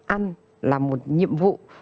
ăn là một nhiệm vụ